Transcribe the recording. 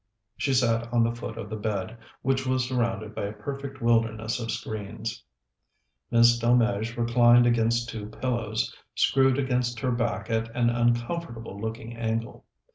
She sat on the foot of the bed, which was surrounded by a perfect wilderness of screens. Miss Delmege reclined against two pillows, screwed against her back at an uncomfortable looking angle.